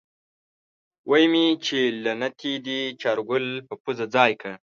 وی مې چې له نتې دې چارګل پۀ پوزه ځای که۔